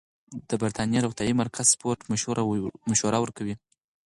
د بریتانیا روغتیايي مرکز سپورت مشوره ورکوي.